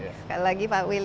baik sekali lagi pak willy